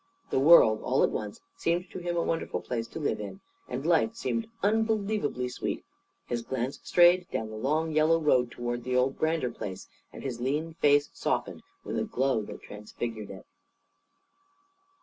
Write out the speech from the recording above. The world, all at once, seemed to him a wonderful place to live in, and life seemed unbelievably sweet. His glance strayed down the long, yellow road toward the old Brander place, and his lean face softened with a glow that transfigured it.